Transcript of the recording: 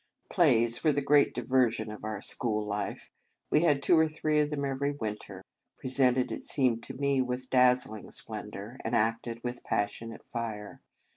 Plays were the great diversions of our school life. We had two or three of them every winter, presented, it seeiped to me, with dazzling splen dour, and acted with passionate fire.